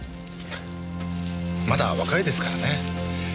まだ若いですからね。